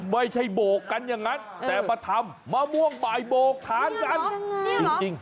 ไม่ใช่โบกกันอย่างนั้นแต่มาทำมะม่วงบ่ายโบกทานกัน